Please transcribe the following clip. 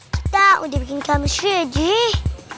kita udah bikin kamu sedih